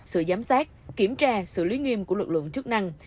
sự giám sát kiểm tra xử lý nghiêm của lực lượng chức năng